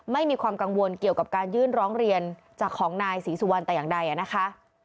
ไม่มีความกังวลเกี่ยวกับการยื่นร้องเรียนจากของนายศรีสุวรรณแต่อย่างใดนะคะ